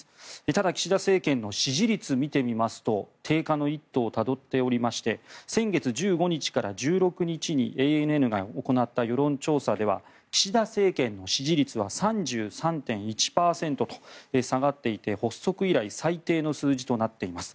ただ、岸田政権の支持率を見てみますと低下の一途をたどっておりまして先月１５日から１６日にＡＮＮが行った世論調査では岸田政権の支持率は３３．１％と下がっていて発足以来最低の数字となっています。